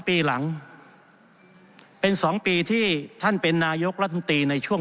ปีหลังเป็น๒ปีที่ท่านเป็นนายกรัฐมนตรีในช่วง